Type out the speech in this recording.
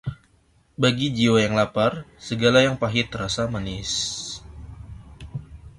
bagi jiwa yang lapar, segala yang pahit terasa manis.